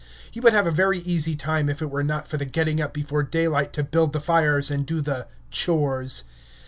He would have a very easy time if it were not for the getting up before daylight to build the fires and do the "chores."